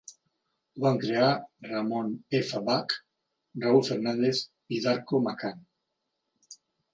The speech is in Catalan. Ho van crear Ramon F. Bachs, Raul Fernandez i Darko Macan.